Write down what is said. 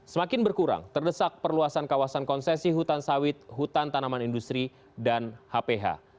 semakin berkurang terdesak perluasan kawasan konsesi hutan sawit hutan tanaman industri dan hph